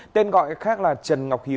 tên gọi khác là đình văn đệ